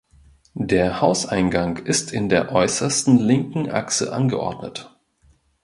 Der Hauseingang ist in der äußersten linken Achse angeordnet.